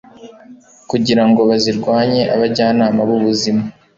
kugira ngo bazirwanye. abajyanama b'ubuzima